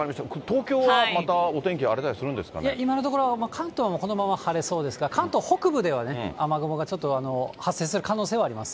東京はまたお天気荒れたりするんいや、今のところ、関東はこのまま晴れそうですが、関東北部では、雨雲がちょっと発生する可能性はあります。